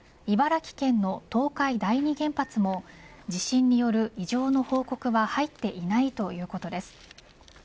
茨城県の東海第二原発も地震による異常の報告は入っていないということです。